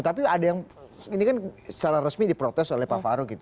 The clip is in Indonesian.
tapi ada yang ini kan secara resmi diprotes oleh pak farouk gitu